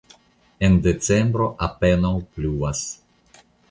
En decembro apenaŭ pluvas.